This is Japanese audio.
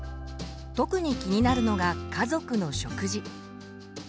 特に気になるのが家族の食事。